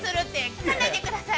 聞かないでください。